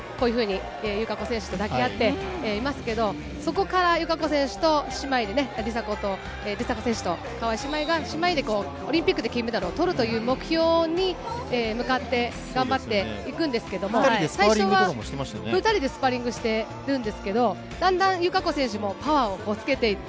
友香子選手と抱き合っていますけれど、そこから友香子選手と姉妹で梨紗子選手と姉妹のオリンピックで金メダルを取るという目標に向かって頑張っていくんですけども、２人でスパーリングしているんですけどだんだん友香子選手もパワーをつけて行って